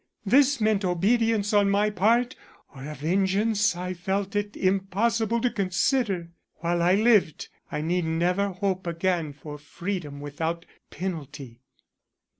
This meant obedience on my part or a vengeance I felt it impossible to consider. While I lived I need never hope again for freedom without penalty.